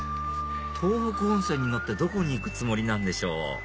東北本線に乗ってどこに行くつもりなんでしょう？